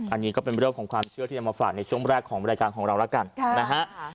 อันนี้ก็เป็นเรื่องของความเชื่อที่จะมาฝากในช่วงแรกของบริการของเราแล้วกันนะฮะ